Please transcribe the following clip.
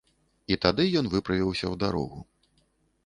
І тады ён выправіўся ў дарогу.